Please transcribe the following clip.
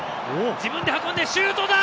自分で運んでシュートだ！